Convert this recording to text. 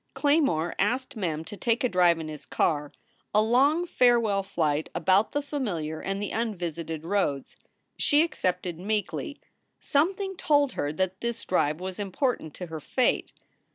Claymore asked Mem to take a drive in his car, a long farewell flight about the familiar and the un visited roads. She accepted meekly. Something told her that this drive was important to her fate.